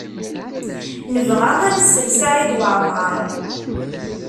Nebɣa ad nessen Saɛid Waɛmaṛ.